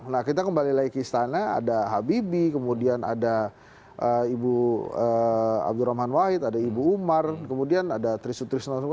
nah kita kembali lagi ke istana ada habibie kemudian ada ibu abdurrahman wahid ada ibu umar kemudian ada trisutrisno